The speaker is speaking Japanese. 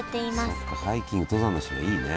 そっかハイキング登山の人にはいいね。